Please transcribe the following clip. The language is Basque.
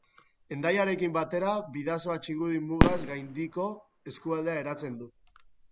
Hendaiarekin batera, Bidasoa-Txingudi mugaz gaindiko eskualdea eratzen du.